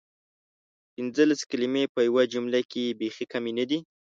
پنځلس کلمې په یوې جملې کې بیخې کمې ندي؟!